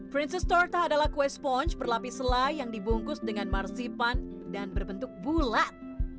princess starth adalah kue sponge berlapis selai yang dibungkus dengan marsipan dan berbentuk bulat